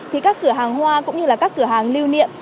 thì các cửa hàng hoa cũng như là các cửa hàng lưu niệm